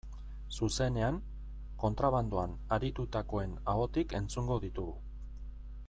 Zuzenean, kontrabandoan aritutakoen ahotik entzungo ditugu.